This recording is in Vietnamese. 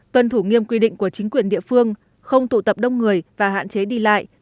tuân thủ nghiêm quy định của chính quyền địa phương không tụ tập đông người và hạn chế đi lại